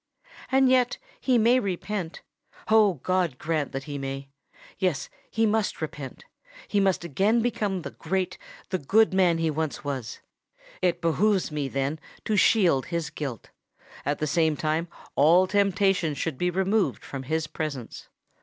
And yet he may repent—oh! God grant that he may! Yes—he must repent: he must again become the great, the good man he once was! It behoves me, then, to shield his guilt:—at the same time all temptation should be removed from his presence.